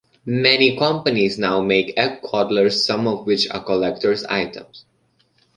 Many companies now make egg coddlers, some of which are collectors' items.